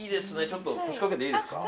ちょっと腰かけていいですか。